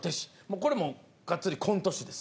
これもがっつりコント師です。